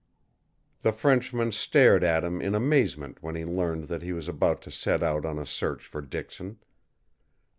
The Frenchman stared at him in amazement when he learned that he was about to set out on a search for Dixon.